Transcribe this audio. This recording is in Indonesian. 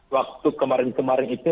waktu kemarin kemarin itu